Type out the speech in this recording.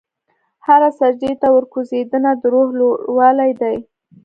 هره سجدې ته ورکوځېدنه، د روح لوړوالی دی.